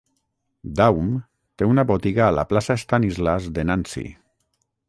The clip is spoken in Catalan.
Daum té una botiga a la Plaça Stanislas de Nancy.